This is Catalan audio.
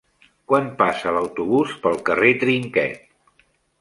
Quan passa l'autobús pel carrer Trinquet?